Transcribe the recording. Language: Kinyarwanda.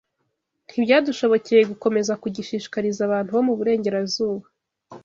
Ntibyadushobokeye gukomeza kugishishikariza abantu bo mu Burengerazuba,